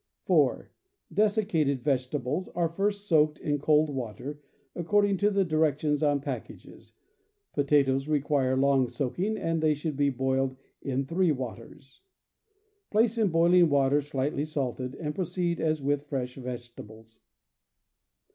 (4) Desiccated vegetables are first soaked in cold water, according to directions on package — potatoes require long soaking, and they should be boiled in three waters. Place in boiling water slightly salted, and proceed as with fresh vegetables.